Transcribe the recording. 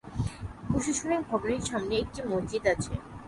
প্রশাসনিক ভবনের সামনে একটি মসজিদ আছে।